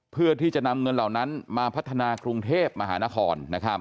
เพื่อที่จะนำเงินเหล่านั้นมาพัฒนากรุงเทพมหานคร